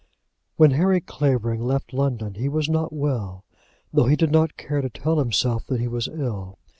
When Harry Clavering left London he was not well, though he did not care to tell himself that he was ill.